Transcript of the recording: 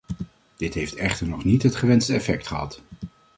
Dit heeft echter nog niet het gewenste effect gehad.